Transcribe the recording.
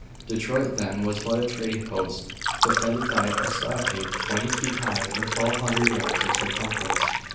"Detroit then was but a trading post, defended by a stockade twenty feet high and twelve hundred yards in circumference.